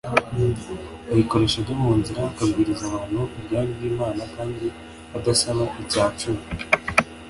Ayikoresha ajya mu nzira akabwiriza abantu ubwami bw’imana kandi adasaba icyacumi